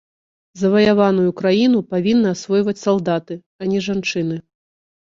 Заваяваную краіну павінны асвойваць салдаты, а не жанчыны.